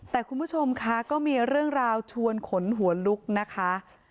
แต่คุณผู้ชมคะก็มีเรื่องราวชวนขนหัวลุกนะคะ